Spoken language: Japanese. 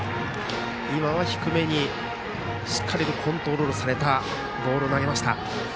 今は低めにしっかりコントロールされたボールを投げました。